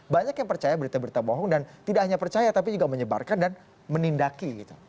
banyak yang percaya berita berita bohong dan tidak hanya percaya tapi juga menyebarkan dan menindaki